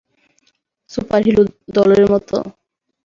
Superhero দলের মতো?